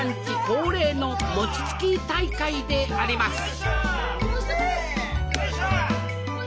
恒例の餅つき大会であります！